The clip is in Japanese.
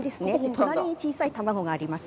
隣に小さい卵があります。